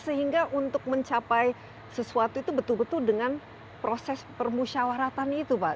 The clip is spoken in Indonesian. sehingga untuk mencapai sesuatu itu betul betul dengan proses permusyawaratan itu pak